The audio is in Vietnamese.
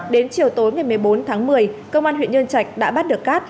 đến chiều tối ngày một mươi bốn tháng một mươi công an huyện nhân trạch đã bắt được cát